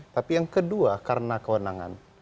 tapi yang kedua karena kewenangan